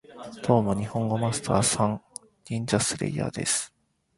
ドーモ、ニホンゴマスター＝サン！ニンジャスレイヤーです